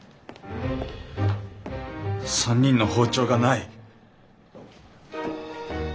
３人の包丁がない。